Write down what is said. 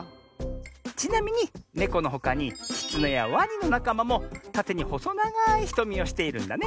ちなみにネコのほかにキツネやワニのなかまもたてにほそながいひとみをしているんだね。